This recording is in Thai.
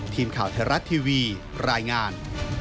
ทีมข่าวไทยรัฐทีวีรายงาน